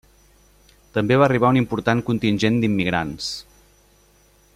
També va arribar un important contingent d’immigrants.